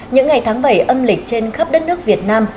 những ngày tháng bảy âm lịch trên khắp đất nước việt nam